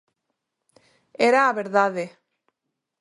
Era a verdade.